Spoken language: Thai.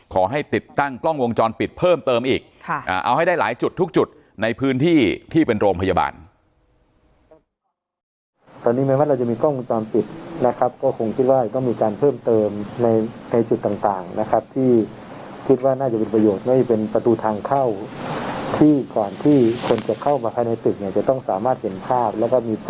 ติดตั้งกล้องวงจรปิดเพิ่มเติมอีกเอาให้ได้หลายจุดทุกจุดในพื้นที่ที่เป็นโรงพยาบาล